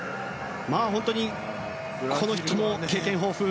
本当に、この人も経験豊富。